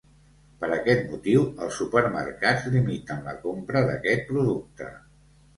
Per aquest motiu els supermercats limiten la compra d’aquest producte.